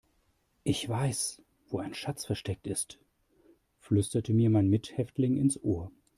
Ich weiß, wo ein Schatz versteckt ist, flüsterte mir mein Mithäftling ins Ohr.